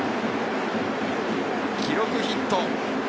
記録ヒット。